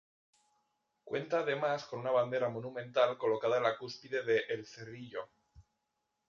Cuenta además con una bandera monumental colocada en la cúspide de "el cerrillo".